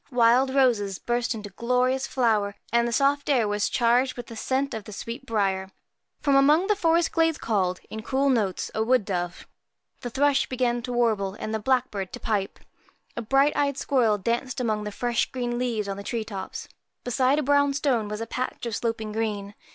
Wild roses burst into glorious flower, and the soft air was charged with the scent of the sweet briar. From among the forest glades called, in cool notes, a wood dove. The thrush began to warble, and the blackbird to pipe. A bright eyed squirrel danced among the fresh green leaves on the tree tops. Beside a brown stone was a patch of sloping green.